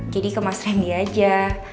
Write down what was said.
jadi ke mas rendy aja